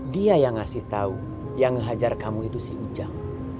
dia yang ngasih tahu yang hajar kamu itu si ujang